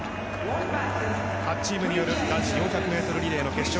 ８チームによる男子４００ｍリレーの決勝。